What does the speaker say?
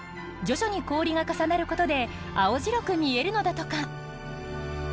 徐々に氷が重なることで青白く見えるのだとか。